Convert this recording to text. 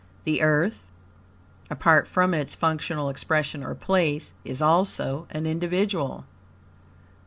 The Earth, apart from its functional expression or place, is also an individual.